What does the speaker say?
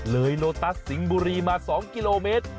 โลตัสสิงห์บุรีมา๒กิโลเมตร